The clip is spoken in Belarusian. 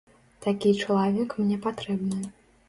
Такі чалавек мне патрэбны.